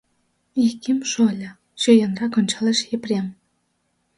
— Яким шольо, — чоянрак ончалеш Епрем.